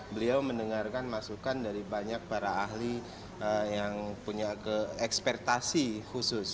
beliau mendengarkan masukan dari banyak para ahli yang punya ekspektasi khusus